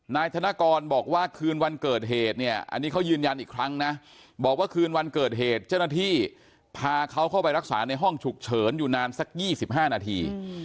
นายธนกรบอกว่าคืนวันเกิดเหตุเนี่ยอันนี้เขายืนยันอีกครั้งนะบอกว่าคืนวันเกิดเหตุเจ้าหน้าที่พาเขาเข้าไปรักษาในห้องฉุกเฉินอยู่นานสัก๒๕นาที